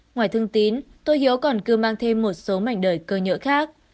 ngoài thương tín tôi hiếu còn cư mang thêm một số mảnh đời cơ nhỡ khác